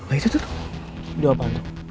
oh itu tuh dia apaan tuh